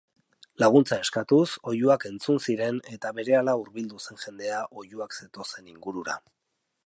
Laguntza eskatuz oihuak entzun ziren eta berehala hurbildu zen jendea oihuak zetozen ingurura.